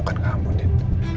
aku akan kehamunin